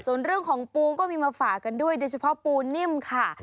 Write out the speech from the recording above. ส่วนเรื่องของปูก็มีมาฝากกันด้วยโดยเฉพาะปูนิ่มค่ะ